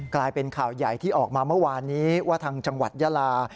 กลายเป็นข่าวใหญ่ที่ออกมาเมื่อวานนี้ว่าทางจังหวัดยาลา